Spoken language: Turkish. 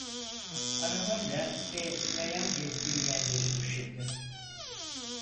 Arabayla ve yayan gezdiği yerleri düşündü.